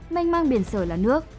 manh manh biển sở là nước